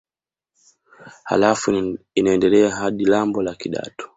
Halafu inaendelea hadi lambo la Kidatu